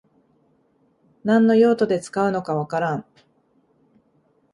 何の用途で使うのかわからん